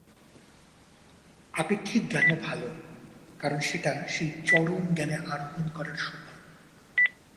আপেক্ষিক জ্ঞানও ভাল, কারণ সেটা সেই চরম জ্ঞানে আরোহণ করবার সোপান।